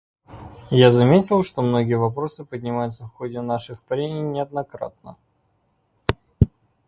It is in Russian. Я заметил, что многие вопросы поднимаются в ходе наших прений неоднократно.